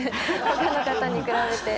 他の方に比べて。